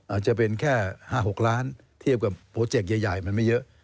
อาจจะเป็นแค่๕๖ล้านเทียบกับโปรเจกต์ใหญ่มันไม่เยอะ